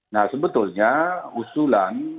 nah sebetulnya usulan